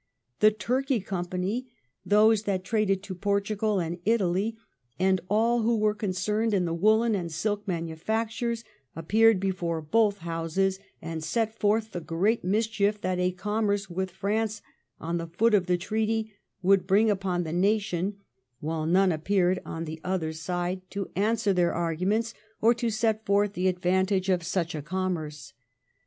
The Turkey Company, those that traded to Portugal and Italy, and all who were concerned in the woollen and silk manufactures, appeared before both Houses and set forth the great mischief, that a commerce with France, on the foot of the treaty, would bring upon the nation ; while none appeared on the other side, 1713 THE TREATY OF COMMERCE. 143 to answer their arguments, or to set forth the ad vantage of such a commerce.'